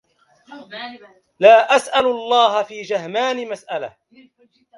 لا أسأل الله في جهمان مسألة